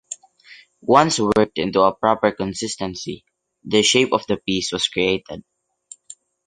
Once worked into a proper consistency, the shape of the piece was created.